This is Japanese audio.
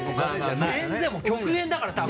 全然、極限だから、多分。